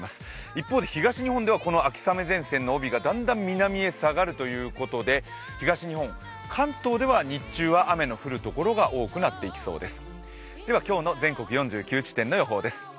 一方で東日本ではこの秋雨前線の帯がだんだん南に下がるということで東日本、関東では日中は雨の降るところが多くなっていきそうです。